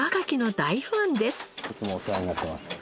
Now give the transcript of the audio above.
いつもお世話になっています。